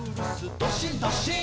どっしんどっしん」